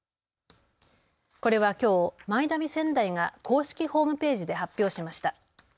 これはきょうマイナビ仙台が公式ホームページで発表しました。